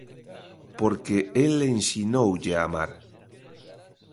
Porque el ensinoulle a amar.